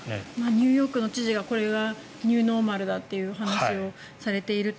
ニューヨークの知事はこれはニューノーマルだという話をされていると。